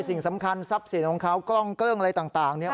สิ่งสำคัญทรัพย์สินของเขากล้องเกลิ้งอะไรต่างเนี่ย